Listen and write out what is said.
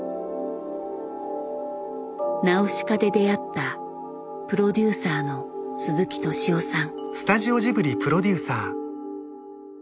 「ナウシカ」で出会ったプロデューサーの鈴木敏夫さん。